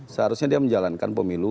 seharusnya dia menjalankan pemilu